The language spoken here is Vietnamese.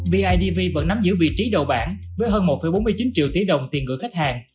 bidv vẫn nắm giữ vị trí đầu bảng với hơn một bốn mươi chín triệu tỷ đồng tiền gửi khách hàng